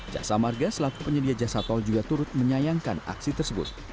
jasa marga selaku penyedia jasa tol juga turut menyayangkan aksi tersebut